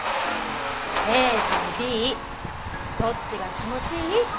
「ＡとＢどっちが気持ちいい？」って聞いてるの。